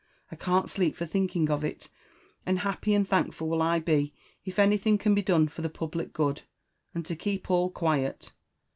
I can't sleep for thinking of it; and happy and thankful will I be If anything can be done for the public good, and to keep all quiet.